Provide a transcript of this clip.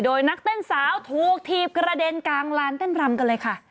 โดยนักเต้นสาวถูกถีบกระเด็นกลางลานเต้นรำกันเลยค่ะ